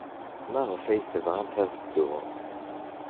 Maɣef ay tebɣamt ad dduɣ?